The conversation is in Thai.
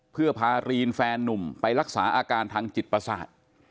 เพื่อพารีนแฟนนุ่มไปรักษาอาการทางจิตประสาท